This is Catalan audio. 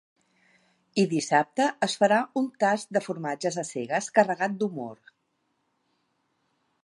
I dissabte es farà un tast de formatges a cegues carregat d’humor.